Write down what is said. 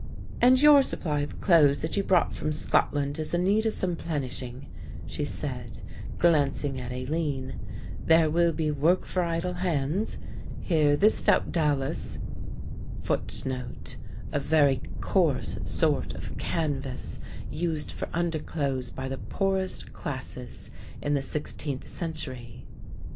"And your supply of clothes that you brought from Scotland is in need of some plenishing," she said, glancing at Aline. "There will be work for idle hands. Here, this stout dowlas will stand wear well, and be warmer too." A very coarse sort of canvas used for underclothes by the poorest classes in the sixteenth century.